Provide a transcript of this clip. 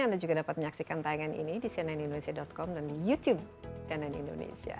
anda juga dapat menyaksikan tayangan ini di cnn indonesia com dan youtube cnn indonesia